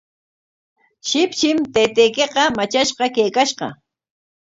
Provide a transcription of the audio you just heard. Shipshim taytaykiqa matrashqa kaykashqa.